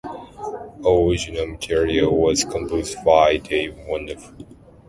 All original material was composed by Dave Wyndorf.